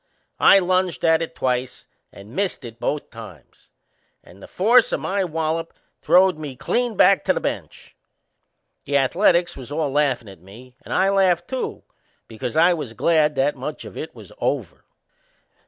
I lunged at it twice and missed it both times, and the force o' my wallop throwed me clean back to the bench. The Ath a letics was all laughin' at me and I laughed too, because I was glad that much of it was over.